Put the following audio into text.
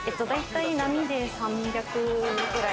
並で３００ぐらい。